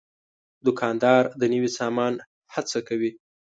دوکاندار د نوي سامان هڅه کوي.